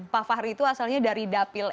pak fahri itu asalnya dari dapil